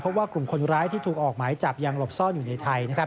เพราะว่ากลุ่มคนร้ายที่ถูกออกหมายจับยังหลบซ่อนอยู่ในไทยนะครับ